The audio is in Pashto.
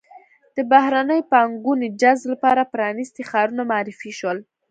د بهرنۍ پانګونې جذب لپاره پرانیستي ښارونه معرفي شول.